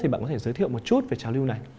thì bạn có thể giới thiệu một chút về trào lưu này